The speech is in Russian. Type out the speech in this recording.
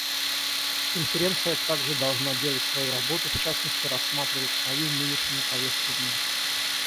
Конференция также должна делать свою работу, в частности рассматривать свою нынешнюю повестку дня.